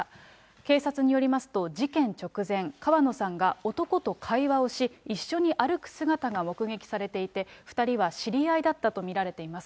警察によりますと、事件直前、川野さんが男と会話をし、一緒に歩く姿が目撃されていて、２人は知り合いだったと見られています。